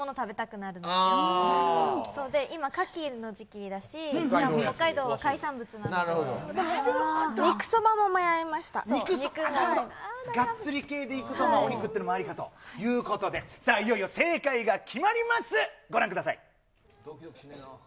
なるほど、がっつり系でいくとお肉っていうのもありかということで、さあ、いよいよ正解が決まります、ご覧ください。